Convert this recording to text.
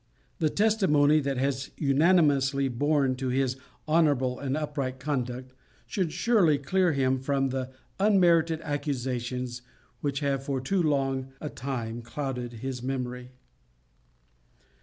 The testimony that has been unanimously borne to his honourable and upright conduct should surely clear him from the unmerited accusations which have for too long a time clouded his memory.